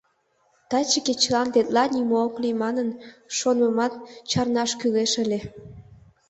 Таче кечылан тетла нимо ок лий манын, шонымымат чарнаш кӱлеш ыле.